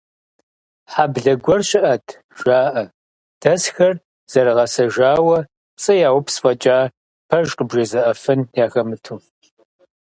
Хьэблэ гуэр щыӀэт, жаӀэ, дэсхэр зэрыгъэсэжауэ, пцӀы яупс фӀэкӀа, пэж къыбжезыӀэфын яхэмыту.